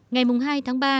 ngày mùng hai tháng ba